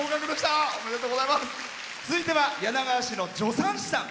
続いては柳川市の助産師さん。